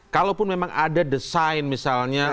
kalaupun memang ada desain misalnya